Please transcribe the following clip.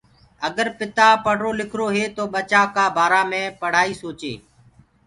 آگر پتآ پڙهرو لکرو هي تو ٻچآ ڪآ بآرآ مي پڙهآئي سوچي